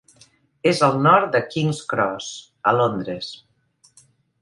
És al nord de King's Cross, a Londres.